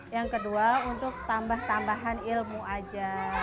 yang kedua untuk tambah tambahan ilmu aja